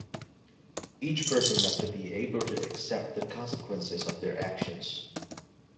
Each person has to be able to accept the consequences of their actions.